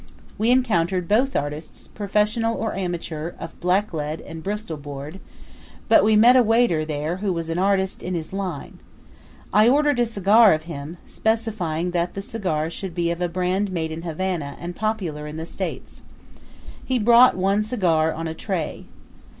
We encountered both artists, professional or amateur, of blacklead and bristol board, but we met a waiter there who was an artist in his line. I ordered a cigar of him, specifying that the cigar should be of a brand made in Havana and popular in the States. He brought one cigar on a tray.